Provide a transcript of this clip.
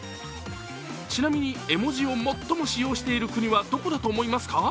ちなみに、絵文字を最も使用している国はどこだと思いますか？